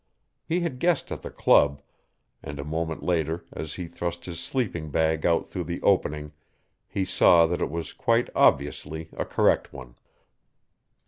He had guessed at the club, and a moment later as he thrust his sleeping bag out through the opening he saw that it was quite obviously a correct one.